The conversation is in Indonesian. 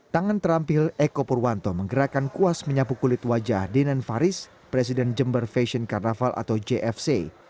tangan terampil eko purwanto menggerakkan kuas menyapu kulit wajah dinan faris presiden jember fashion carnaval atau jfc